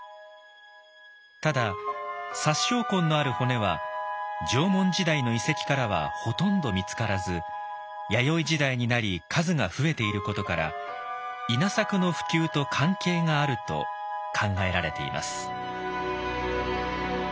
ただ殺傷痕のある骨は縄文時代の遺跡からはほとんど見つからず弥生時代になり数が増えていることから稲作の普及と関係があると考えられています。